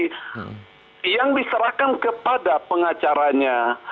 jadi yang diserahkan kepada pengacaranya